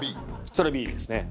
それＢですね。